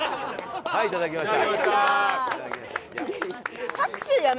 いただきました！